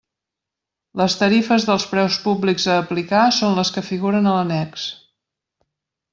Les tarifes dels preus públics a aplicar són les que figuren a l'annex.